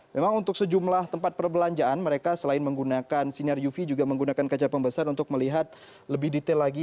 memang untuk sejumlah tempat perbelanjaan mereka selain menggunakan sinar uv juga menggunakan kaca pembesar untuk melihat lebih detail lagi